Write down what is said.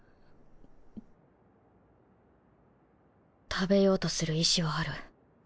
食べようとする意思はある